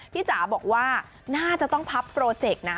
พี่จ๋าบอกว่าน่าจะต้องพัฟเนื้อนะ